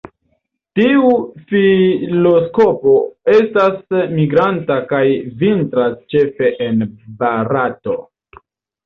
Tiu filoskopo estas migranta kaj vintras ĉefe en Barato.